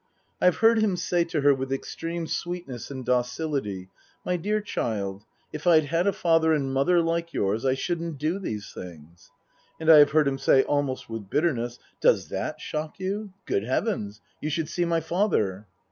I have heard him say to her with extreme sweetness and docility : "My dear child, if I'd had a father and mother like yours I shouldn't do these things." And I have heard him say almost with bitterness :" Does that shock you ? Good Heavens, you should see my father